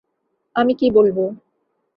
আমি কী বলব?